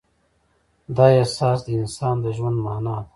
دا احساس د انسان د ژوند معنی ده.